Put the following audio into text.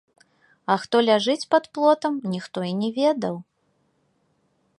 А хто ляжыць пад плотам, ніхто і не ведаў.